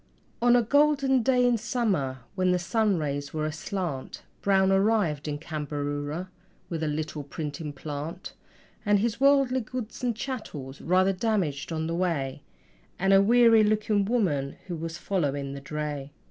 On a golden day in summer, when the sunrays were aslant, Brown arrived in Cambaroora with a little printing plant And his worldly goods and chattels rather damaged on the way And a weary looking woman who was following the dray.